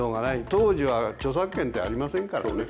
当時は著作権ってありませんからね。